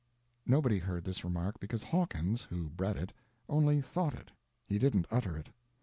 Nobody heard this remark, because Hawkins, who bred it, only thought it, he didn't utter it.